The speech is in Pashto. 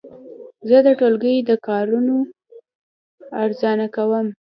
زه د ټولګي د کارونو ارزونه کوم.